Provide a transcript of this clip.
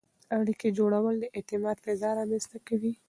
اړیکې جوړول د اعتماد فضا رامنځته کوي.